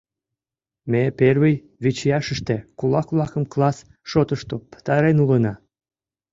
Ме первый вичияшыште кулак-влакым класс шотышто пытарен улына.